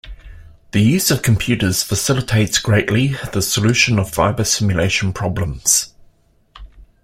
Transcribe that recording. The use of computers facilitates greatly the solution of fiber simulation problems.